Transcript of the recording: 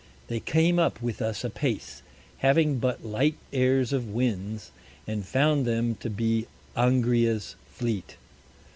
They came up with us apace, having but light Airs of Winds, and found them to be Angria's Fleet.